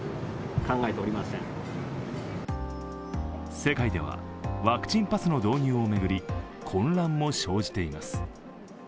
世界では、ワクチンパスの導入を巡り混乱も生じています。